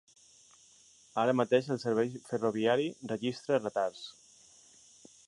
Ara mateix el servei ferroviari registra retards.